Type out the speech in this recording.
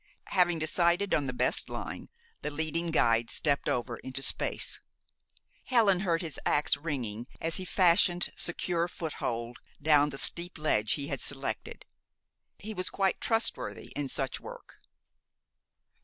Having decided on the best line, the leading guide stepped over into space. Helen heard his ax ringing as he fashioned secure foothold down the steep ledge he had selected. He was quite trustworthy in such work.